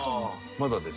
まだですね。